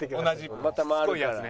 また回るから。